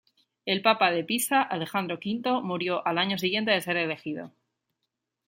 El papa de Pisa, Alejandro V, murió al año siguiente de ser elegido.